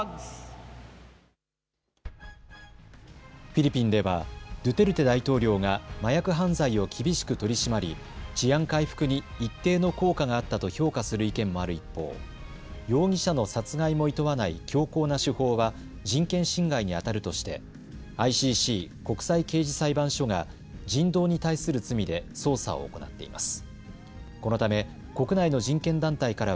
フィリピンではドゥテルテ大統領が麻薬犯罪を厳しく取り締まり治安回復に一定の効果があったと評価する意見もある一方、容疑者の殺害もいとわない強硬な手法は人権侵害にあたるとしてＩＣＣ・国際刑事裁判所が人道に対する罪で捜査を行っています。